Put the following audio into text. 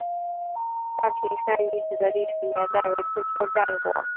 大坪山遗址的历史年代为春秋战国。